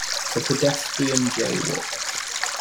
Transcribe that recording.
The pedestrian jaywalked.